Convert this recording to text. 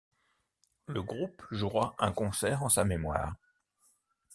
Le groupe jouera un concert en sa mémoire.